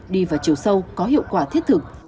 đi vào chiều sâu có hiệu quả thiết thực